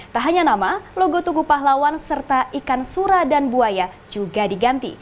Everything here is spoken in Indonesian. tak hanya nama logo tugu pahlawan serta ikan sura dan buaya juga diganti